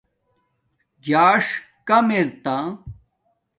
ژاݽ کمک اِرتہ